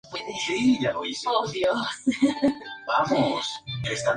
Y surgirá el amor.